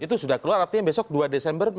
itu sudah keluar artinya besok dua desember